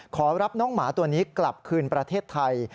ขอรับน้องหมาตัวนี้กลับคืนประเทศไทย